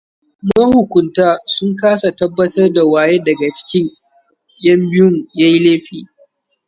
Mahukuntan sun kasa tabbatar da waye daga cikin 'yan biyun yayi laifin.